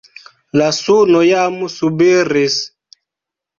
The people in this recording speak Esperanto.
La suno jam subiris.